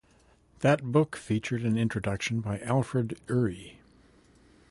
That book featured an introduction by Alfred Uhry.